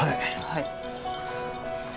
はい。